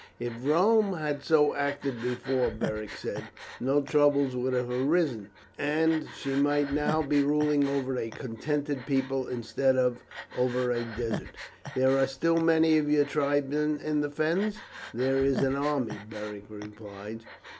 "If Rome had so acted before," Beric said, "no troubles would have arisen, and she might now be ruling over a contented people instead of over a desert." "There are still many of your tribesmen in the Fens?" "There is an army," Beric replied.